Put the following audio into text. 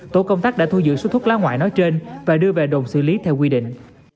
tổ công tác đã thu giữ số thuốc lá ngoại nói trên và đưa về đồn xử lý theo quy định